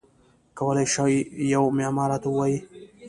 کولای شی یوه معما راته ووایی؟